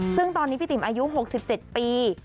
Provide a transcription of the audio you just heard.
ซึ่งตอนนี้พี่ติ๋มอายุ๖๗ปี